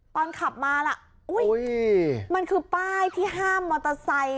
ตอนขับมาล่ะมันคือป้ายที่ห้ามมอเตอร์ไซค์